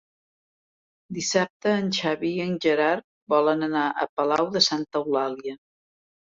Dissabte en Xavi i en Gerard volen anar a Palau de Santa Eulàlia.